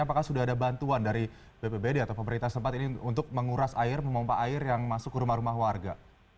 apakah ada bantuan dari bpbd atau pemerintah tempat ini egg untuk memompak air yang masuk ke rumah rumah warga